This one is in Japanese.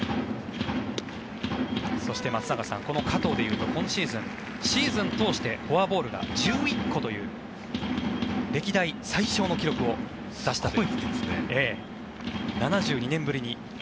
そして、松坂さんこの加藤でいうと今シーズン、シーズン通してフォアボールが１１個という歴代最小の記録を出したと。